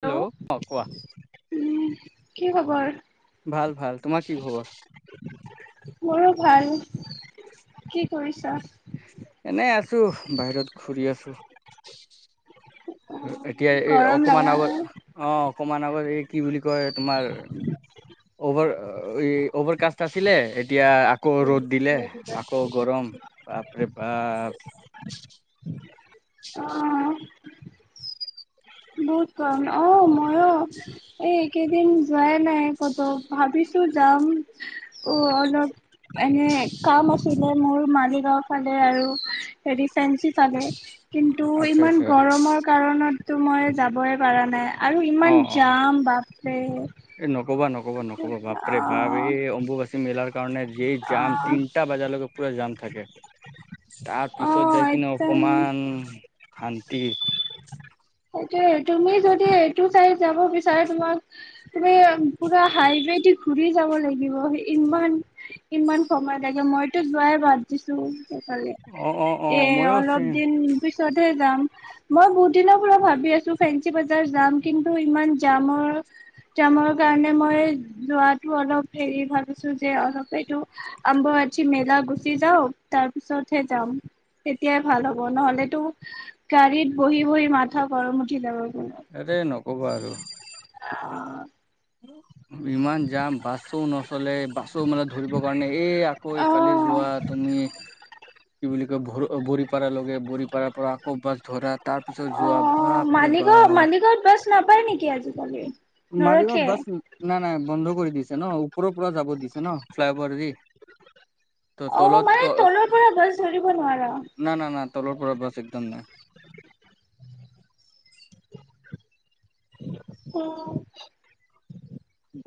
Hello, অ', কোৱা। উম, কি খবৰ? ভাল ভাল। তোমাৰ কি খবৰ? মোৰো ভাল। কি কৰিছা? এনেই আছো, বাহিৰত ঘূৰি আছো। এতিয়া এ গৰম অকমান লাগা আগত নাই? অ', অকমান আগত এই কি বুলি কয় তোমাৰ অভাৰ-এ অভাৰ কাষ্ট আছিলে এতিয়া আকৌ ৰ'দ দিলে, আকৌ গৰম। বাপ ৰে বাপ। [inaudible] অ', বহুত গৰম। অ' মইয়ো এই কেইদিন যোৱাই নাই ক'তো, ভাবিছোঁ যাম। অ', অলপ এনে কাম আছিলে মোৰ মালিগাঁও ফালে আৰু হেৰি ফেন্সি ফালে। কিন্তু আচ্ছা ইমান আচ্ছা গৰমৰ কাৰণতো মই যাবই পাৰা নাই আৰু অ ইমান অ জাম। বাপৰে! নক'ব নক'ব বাপৰে বাপ। অ', এই অম্বুবাচী মেলাৰ কাৰণে যি জাম অ'। তিনটা বজালৈকে পুৰা জাম। তাকে। তাৰ পিছত অ', যাই কিনে একদম অকমান শান্তি সেইটোয়ে, তুমি যদি এইটো চাইড যাব বিচাৰা তোমাক তুমি পুৰা হাই ৰে দি ঘুৰি যাব লাগিব। ইমান, ইমান সময় লাগে মইতো যোৱাই বাদ দিছোঁ। সেই ফালে। অ অ অ এ মইয়ো অলপ চেম দিন পিছতহে যাম। মই বহুত দিনৰ পুৰা ভাবি আছোঁ ফেন্সী বজাৰ যাম, কিন্তু ইমান জামৰ জামৰ কাৰণে মই যোৱাটো অলপ হেৰি ভাবিছোঁ যে অলপ এইটো আম্ব বাচী মেলা গুচি যাওঁক তাৰপিছতহে যাম। তেতিয়াই ভাল হ'ব নহ'লেটো গাড়ীত বহি-বহি মাথা গৰম উঠি যাব। মোৰ। আৰে নকবা আৰু [inaudible] [inaudible] ইমান জাম বাছো নচলে বাছো মানে ধৰিবৰ কাৰণে এ আকৌ ইফালে অ', যোৱা, তু উম, কি বুলি কয় ভৰ বৰিপাৰা লগে বৰিপাৰাৰ পৰা আকৌ বাছ ধৰা তাৰ পিছত যোৱা অ', মালিগাঁও বাপৰে-বাপ। মালিগাঁৱত বাছ নাপায় নেকি আজি মালিগাঁৱত বাছ নাই-নাই বন্ধ কৰি দিছে। এনেও ওপৰৰ পৰা যাব দিছে ন? ফ্লাই অ'ভাৰদি? অ', মানে তলৰ পৰা বাছ ধৰিব নোৱাৰা। না, না, না তলৰ পৰা বাছ একদম নাই। [inaudible]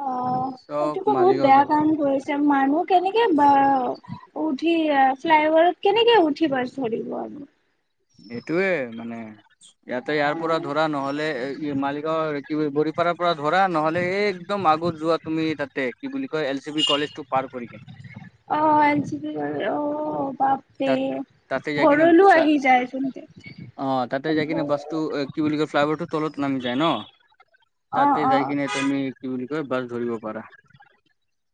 অ', চব এইটো টো বহুত মালিগাঁও য বেয়া কাম কৰিছ যে মানুহ কেনেকে বা উঠি এ ফ্লাই অভাৰত কেনেকে উঠি বাছ ধৰিব আমি? সেইটোয়ে মানে ইয়াতে ইয়াৰ পৰা ধৰা ন'হলে ই মালিক গাঁৱৰ কি বৰিপাৰাৰ পৰা ধৰা, নহলে এই একদম আগত যোৱা তুমি তাতে, কি বুলি কয় এল জি বি কলে টো পাৰ কৰি কিনে। অ এল জি বি কলেজ অ' বাপৰে তাত তাতে যাই কিনে ভৰলো ফ্লা আহি যায় চোন। অ তাতে যাই কিনে বাছটো কি বুলি কয় ফ্লাইঅভাৰটো তলত নামি যায় ন? অ', তাতে যাই অ', কিনে তুমি কি বুলি বাছ ধৰিব পাৰা,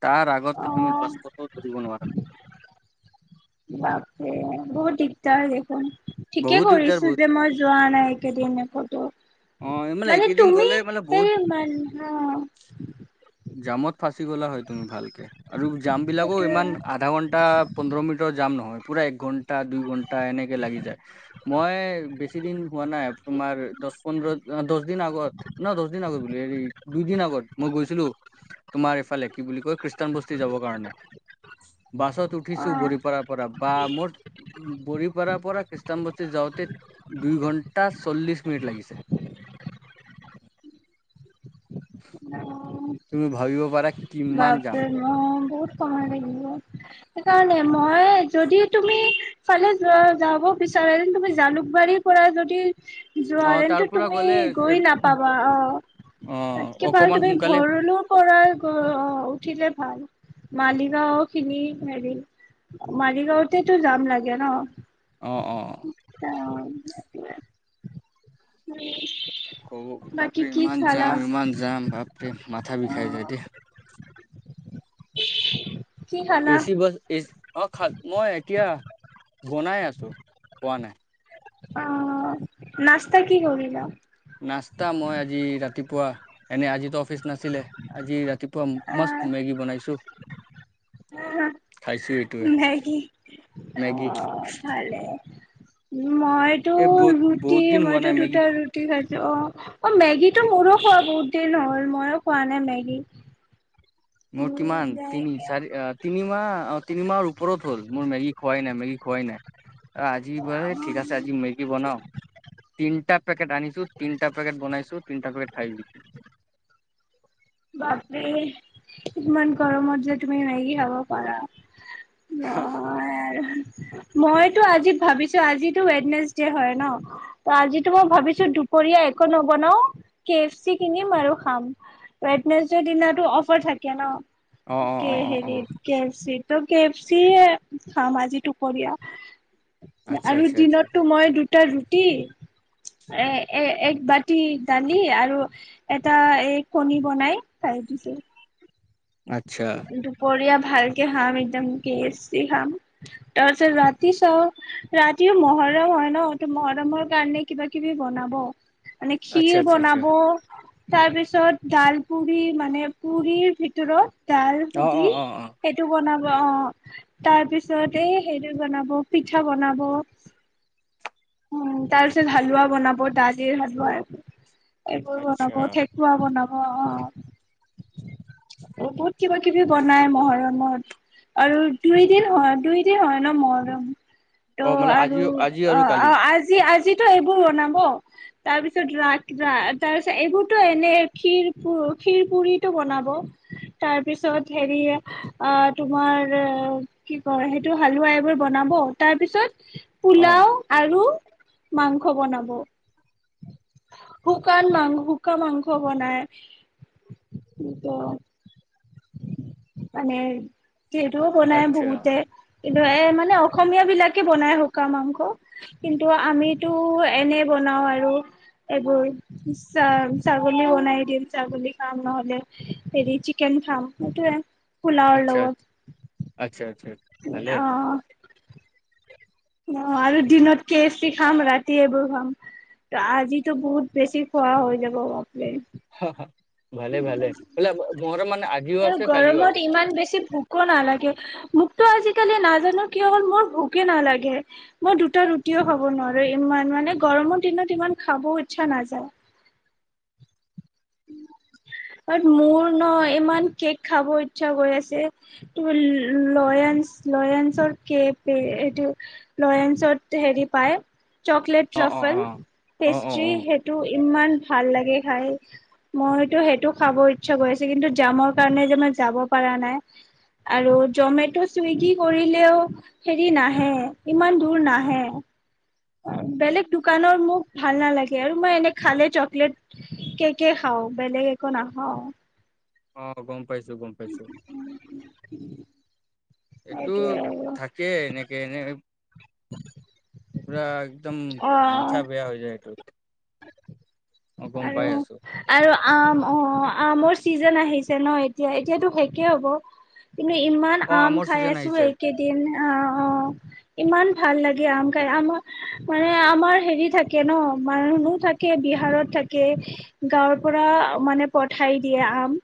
তাৰ আগততো তুমি অ', বাছ কতো ধৰিব নোৱাৰা। বাপৰে বহুত দিগদাৰ দেখোন। ঠিকে বহুত দিগদাৰ কৰিছো বহুত যে মই যোৱা নাই এই কেইদিনে কতো। অ মানে এইকেইদিন তুমি গ'লে মানে বহুত হেৰি মান অ জামত ফাঁচি গ'লা হয় তুমি ভালকে, আৰু জাম বিলাকো সেইটোৱে ইমান আধা ঘন্টা পোন্ধৰ মিনিটৰ যাম নহয়, পুৰা এক ঘণ্টা, দুই ঘণ্টা এনেকে লাগি যায়, মই বেছি দিন হোৱা নাই তোমাৰ দছ পোন্ধৰ দছ দিন আগত ন দছ দিন আগত হেৰি দুই দিন আগত মই গৈছিলো। তোমাৰ এইফালে কি বুলি কয় খ্ৰীষ্টান বস্তি যাবৰ কাৰণে বাছত উঠিছো অ', বৰিপাৰা পৰা বা মোৰ বৰিপাৰা পৰা খ্ৰীষ্টান বস্তি যাওঁতে দুই ঘণ্টা চল্লিশ মিনিট লাগিছে। [inaudible] অ'। তুমি ভাবিব পাৰা কিমান যাম বাপৰে বা বহুত সময় লাগিব, সেইকাৰণে মই যদি তুমি সেই ফালে যোৱা যাব বিচ ৰা তুমি জালুকবাৰীৰ পৰা যদি অ তাৰ যোৱাৰেন্তে পৰা তুমি গৈ গ'লে নাপাবা আহ অ', তাতকে ভাল অকমান তুমি সোনকালে ভৰলো পৰা অ', উঠিলে ভাল, মালিগাওঁ খিনি হেৰি মালিগাঁওতেটো জাম লাগে ন' অ', অ'। তা বাপৰে ইমান জাম, ইমান জাম, বাপৰে মাথা বিষাই অ' যায় দেই [unintelligible] এ চি বাছ, এ অঁ, খাল, মই এতিয়া বনাই আছোঁ, খোৱা নাই। অ', নাস্তা কি কৰিলা? নাস্তা মই আজি ৰাতিপুৱা, এনে আজিতো অফিচ নাছিলে, আজি ৰাতিপুৱা মাষ্ট মেগী বনাইছো। আহ খাইছোঁ এ। মেগী অ মেগি ভালে মইতো ৰুটি, বহুত দিন হোৱা মইতো নাই মেগী দুটা ৰুটি খাই অ অ মেগীটো মোৰো খোৱা বহুত দিন হ'ল মইো খোৱা নাই মেগী। মোৰ উম কিমান তিনি, যাইকে চাৰি তিনি ম অ তিনিমাহৰ ওপৰত হ'ল মোৰ মেগী খোৱাই নাই মেগী খোৱাই নাই। আজি বা অ' ঠিক আছে আজি মেগী বনাও তিনিটা পেকেট আনিছো তিনিটা পেকেট বনাইছো তিনিটা পেকেট খাই বাপৰে ইমান গৰমত যে তুমি মেগী খাব পাৰা। অ [unintelligible] মইতো আজি ভাবিছোঁ, আজিতো ৱেডনেছ ডে হয় ন', ত', আজটো মই ভাবিছোঁ দু য়া একো নবনাও, কে এফ চি কিনিম আৰু খাম। ৱেডনেছদে দিনাটো অফাৰ থাকে ন', অ অ অ অ অ হেৰিত কে এফ চিত। ত', কেফচি এ খাম আজি দুপৰীয়া। আচ্ছা আৰু আচ্ছা আচ্ছা দিনতটো মই দুটা ৰুটি এ এ এক বাতি দালি আৰু এটা এ কণীৰ বনাই খাই দিছো। আচ্ছা কি দুপৰিয়া ভালকে খাম একদম কেচি খাম তাৰপছত ৰাতি চ ৰাতিও মহৰ [inaudible] মৰম হয় ন ত মহৰমৰ কাৰণে কিবা কিবি বনাব। [inaudible] মানে আচ্ছা খীৰ আচ্ছা আচ্ছা বনাব তাৰ পিছত ডাল পুৰি মানে পুৰি ভিত ডাল অ অ পুৰি অ অ সেইটো বনাব। অ তাৰ পিছত এই হেৰি বনাব পিঠা বনাব। উ তাৰ পিছত হালোৱা বনাব দালিৰ হালোৱা। এইবোৰ আচ্ছা বনাব ঠেকুৱা বনাব। অ বহুত কিবা কিবি বনাই মহৰমত আৰু দুইদিন হয় দুই- হয় ন মহৰম অ ত' মানে আজি আৰু আজি অ আৰু কালি আজি আজি, ত সেইবোৰ বনাব তাৰ পিছত ৰা ৰা তাৰ পিছত এইবোৰতো এনেই খীৰ খীৰ পুৰিটো বনাব। তাৰ পিছত হেৰি অ তোমাৰ কি কয় সেইটো হালোৱা এইবোৰ বনাব তাৰ পিছত, অ পোলাও আৰু, মাংস বনাব। শুকান মাং শুকান মাংস বনাই মানে যিহেতো বনাই আচ্ছা বহুতে, কিন্তু এ মানে অসমীয়া বিলাকে বনাই শুকাঁন মাংস কিন্তু আমিতো এনেই বনাও। বনাওঁ আৰু, এইবোৰ ছা ছাগলী বনাই দিম ছাগলী খাম নহলে। হেৰি চিকেন খাম সেইটোৱে। পোলাও আচ্ছা লগত আচ্ছা আচ্ছা ভালে অ, অ আৰু দিনত কে [unintelligible] এচি খাম ৰাতি এইবোৰ খাম। ত আজিটো বহুত বছি খোৱা হৈ যাব বাপৰে। হা হা, ভালে ভালে মোৰ মানে আজিও আৰু আছে কালিও গৰমত আছে ন। ত' আজিকালি নাজানো কি হ'ল মোৰ ভোকে নালাগে মই দুটা ৰুটিও খাব নোৱাৰো ইমান মানে গৰমৰ দিনত ইমান খাব ইচ্ছা নাযায় [inaudible] ঐ মোৰ ন ইমান কেক খাব ইচ্ছা গৈ আছে তু লয়া লয়ঞ্চৰ কে এই লয়ঞ্চত হেৰি পায় চকলেট অ অ অ ৰাফল অ অ পেষ্ট্ৰি অ সেইটো ইমান ভাল লাগে খাই মইতো সেইটো খাব ইচ্ছা কৰিছো কিন্তু জামৰ কাৰণে যে মই যাব পৰা নাই আৰু জমেট' চুইগি কৰিলেও হেৰি নাহে ইমান দূৰ নাহে বেলেগ দোকানৰ মোক ভাল নালাগে, আৰু মই এনে খালে চকলেট কেকে খাওঁ। অ' পেনদে একো নাখাওঁ। অ' গম পাইছো, গম পাইছো। [unintelligible] এইটো সেইটোৱে আৰু থাকেই এনেকে এনে। [unintelligible] পুৰা একদম অ মাথা বেয়া হৈ যায় এইটো। পাই আৰু আছো আৰু আম অ আমৰ চিজন আহিছে ন এতিয়া এতিয়াতো শেষেই হ'ব কিন্তু ইমান অ আম আমৰ খাই চিজন আছো আহিছে একেদিন অ অ ইমান ভাল লাগে আম খাই আমৰ মানে আমৰ হেৰি থাকে ন মানুহ মানুহ থাকে বিহাৰত থাকে গাঁৱৰ পৰা মানে পঠাই দিয়ে আম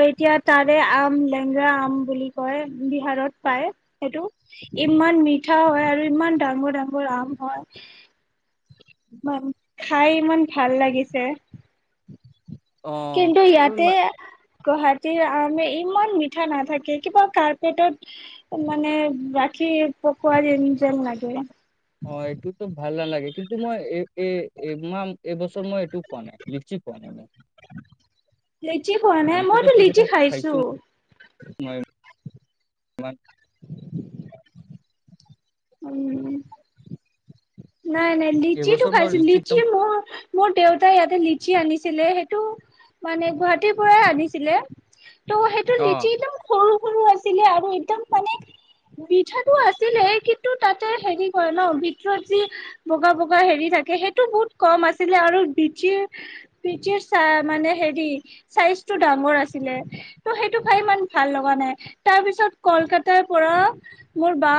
এতিয়া তাৰে আম লেগৰা আম বুলি কয় বিহাৰত পায় সেইটো ইমান ইমান মিঠা হয় আৰু ইমান ডাঙৰ ডাঙৰ আম হয় [inaudible] বাম খাই ইমান ভাল লাগিছে। অ কিন্তু উম, ইয়াতে গুৱাহাটীৰ আমে ইমান মিঠা নাথাকে, কিবা কাৰ্পেটত মানে ৰাখি। কি পকোৱা দি যেন লাগে। অ' এইটোতো ভাল নলাগে। কিন্তু মই এ এই মাহ এইবছৰ মই এইটো পোৱা নাই, লিছি পোৱা নাই মই। লিচি খোৱা নাই, আমটোতো মইতো ঠিক লিচি ঠাক খাইছো। তোমাৰ উম, নাই নাই লিচি টো এইবছৰ মই খাইছো, লিচি একদম মোৰ মোৰ দেউতা ইয়াতে লিচি আনিছে। আনিছিলে। সেইটো মানে গুৱাহাটীৰ পৰাই আনিছিলে। ত' সেইটো অ লিচি একদম সৰু সৰু আছিলে আৰু একদম মানে। মিঠাটো আছিলে কিন্তু তাতে হেৰি কৰে ন ভিতৰত যি। বগা বগা হেৰি থাকে, সেইটো বহুত কম আছিলে আৰু বিচিৰ বিচিৰ চাহ মানে। হেৰি চাইজতো ডাঙৰ আছিলে, সেইতো খাই ইমান ভাল লগা নাই। তাৰপিছত কল কলকাতাৰ পৰা মোৰ বা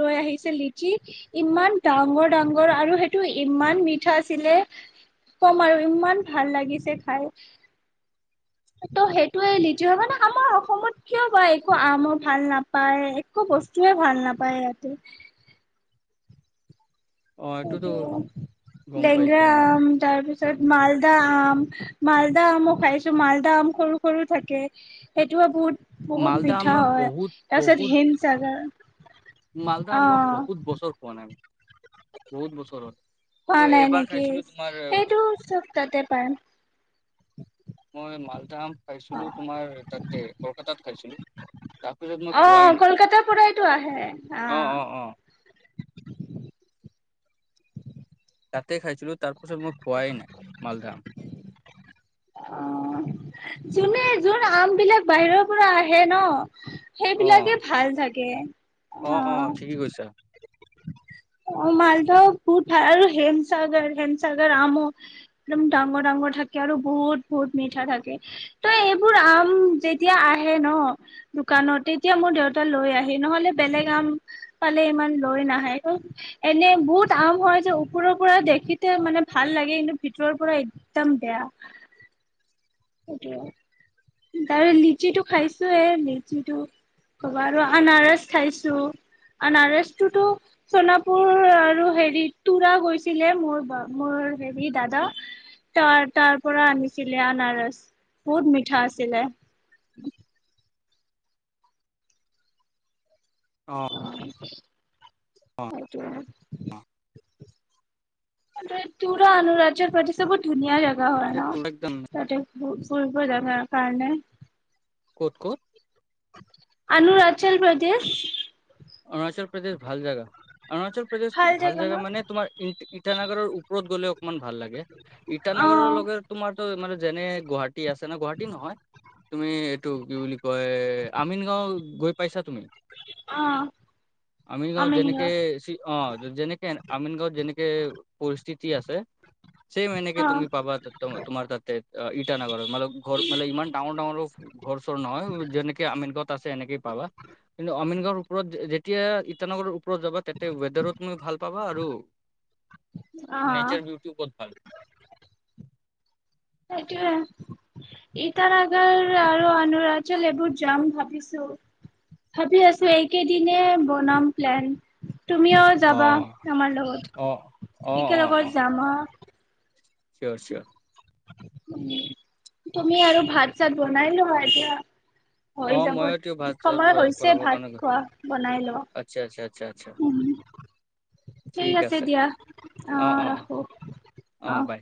লৈ আহিছে। লিছি ইমান ডাঙৰ ডাঙৰ আৰু সেইটো ইমান মিঠা আছিলে। কম আৰু ইমান ভাল লাগিছে খাই। [inaudible] ত' সেইটোৱে লিছু হয় মানে আমাৰ অসমত কিয় বা একো আমৰ ভাল নাপায় একো বস্তু। একোৱেই ভাল নাপায় ইয়াতে। অ এইটোতো গম পাইছো লেংগৰা মই আম তাৰপিছত মালদা আম। মালদা আমো খাইছো, মালদা আম সৰু সৰু থাকে সেইটো বহুত বহুত মালদা আম মিঠা মই হয় বহুত তাৰ পিছত হিম চাগাৰ। মালদহ মই বহুত বছৰ পোৱা নাই বহুত বছৰত। খোৱা নাই নেকি সেইটো চ'ব তাতে পায়। মই মালধা আম অ খাইছিলো তোমাৰ তাতে কলকাতাত খাইছিলো। তাৰপিছত মই খোৱাই অ' নাই কলকাতাৰ পৰাইতো আহে অ আহ। অ অ তাতে খাইছিলো তাৰ পাছত মই খোৱাই নাই মালধাআম। অ' চিনে যোৱা আম বিলাক বাহিৰৰ পৰা আহে ন। সেইবিলাকে অ', ভাল থাকে অ', অ', আহ। ঠিকেই কৈছা অ' মালদাও খুত আৰু হেমচাগৰ হেমচাগৰ আম একদম ডাঙৰ ডাঙৰ। থাকে আৰু বহুত বহুত মিঠা থাকে ত এইবোৰ আম যেতিয়া আহে ন। দোকানত তেতিয়া মোৰ দেউতা লৈ আহি নহ'লে বেলেগ আম পালে ইমান লৈ নাহে। এনে বহুত আম হয় যে ওপৰৰ পৰা দেখিতে মানে ভাল লাগে কিন্তু ভিতৰৰ পৰা দম বেয়া। [inaudible] সেইটোয়ে। তাৰে লিচিটো খাইছোয়ে লিচিটো। ক'বা আৰু আনাৰস খাইছো। আনাৰসটোতো চোনাপুৰ আৰু হেৰি তুৰা গৈছিলে মোৰ, বা, মোৰ হ দাদা, তাৰ তাৰ পৰা আনিছিলে আনাৰস। বহুত মিঠা আছিলে। অ', [unintelligible] সেইটোৱে। পুৰা টোৰা অৰুণাচল প্ৰদেশৰ ধুনীয়া জেগা হয় ন পুৰা একদম তাতে ফোৰটচ বোৰ। বজামা কাৰণে ক'ত, ক'ত। অৰুণাচল প্ৰদেশ অৰুণাচল প্ৰদেশ ভাল জাগা। অৰুণাচল প্ৰদেশ ভাল জেগা মানে তোমাৰ ই ইটানাগৰৰ ওপৰত গ'লেও ইমান ভাল লাগে অ ইটানগৰৰ লগে তোমাৰতো মানে যেনে গুৱাহাটী। আছে ন গুৱাহাটী নহয়। তুমি, এইটো কি বুলি কয়, আমিনগাঁও গৈ পাইছা তুমি? অ আমিনগাঁৱত যেনেকে, আমিনগাঁও অঁ, যেনেকে আমিনগাঁৱত যেনেকে পৰিস্থিতি আছে চেইম এনেকে অ তুমি পাবা ত তোমাৰ তাতে ইটানগৰত। মান, ঘৰ মানে ইমান ডাঙৰ ডাঙৰো ঘৰ চৰ নহয়, যেনেকে আমিনগাওঁ আছে এনেকে পাবা। কিন্তু অমিনগাঁৱৰ ওপৰত যেতিয়া ইটানগৰ যাবা তাতে ৱেডাৰত মই ভাল পাবা, আৰু অ নেচাৰ ভিউটো বহুত ভাল। সেইটোৱে। ইটানগৰ আৰু অুৰানাচল এইবোৰ যাম ভাবিছোঁ। ভাবি আছো এইকেইদিনে বনাম প্লেন। তুমিও অ যাবা আমাৰ অ অ লগত। অ একেল অ লগত যাম, অঁ। চিয়ৰ, চিয়ৰ। উম, তুমি আৰু ভাত চাত বনাই লোৱা এতিয়া। অ হৈ যাব। মইো এইটো ভাত চাত সময় ব- হৈছে বনাবৰ কাৰণে ভাত গৈ- খোৱা, বনাই লোৱা। আচ্ছা আচ্ছা আচ্ছা, আচ্ছা। উম ঠিক আছে। দিয়া অ অঁ, অঁ। অঁ, ৰাখো অঁ, অ। বাই।